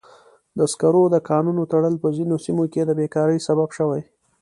د سکرو د کانونو تړل په ځینو سیمو کې د بیکارۍ سبب شوی.